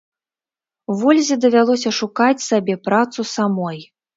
Вользе давялося шукаць сабе працу самой.